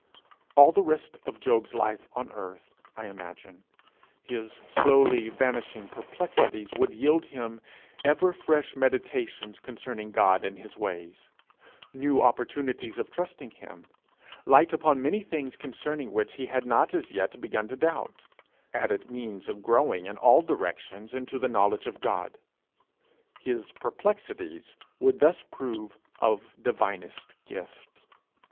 All the rest of Job's life on earth, I imagine, his slowly vanishing perplexities would yield him ever fresh meditations concerning God and his ways, new opportunities of trusting him, light upon many things concerning which he had not as yet begun to doubt, added means of growing in all directions into the knowledge of God. His perplexities would thus prove of divinest gift.